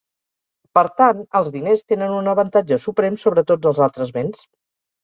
Per tant, els diners tenen un avantatge suprem sobre tots els altres béns.